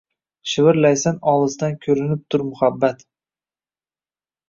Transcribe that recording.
Shivirlaysan: – Olisdan ko‘rinib tur, muhabbat.